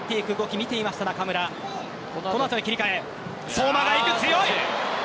相馬が行く、強い。